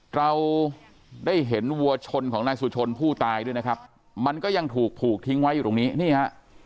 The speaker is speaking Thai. เราได้เห็นวัวชนของนายสุชนผู้ตายด้วยนะครับมันก็ยังถูกผูกทิ้งไว้อยู่ตรงนี้นี่ฮะ